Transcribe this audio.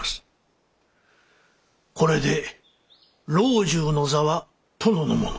これで老中の座は殿のもの。